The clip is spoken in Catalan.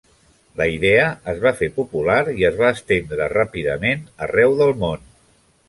La idea es va fer popular i es va estendre ràpidament arreu del món.